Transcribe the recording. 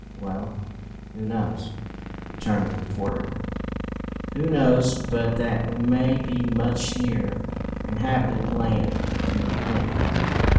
"Well, who knows," returned the reporter, "who knows but that we may be much nearer inhabited land than we think?"